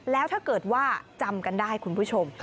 แล้วถ้าเกิดว่าจำกันได้คุณผู้ชม